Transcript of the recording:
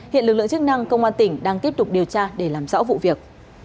hiện lực lượng chức năng công an tỉnh đang tiếp tục điều tra để làm rõ vụ việc